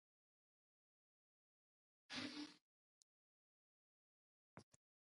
Bátə̀ gɔm tə'.